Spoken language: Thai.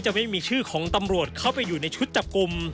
ไม่มีชื่อของตำรวจเข้าไปอยู่ในชุดจับกลุ่ม